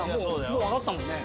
もうあったもんね。